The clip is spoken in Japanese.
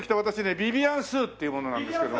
ビビアン・スーっていう者なんですけども。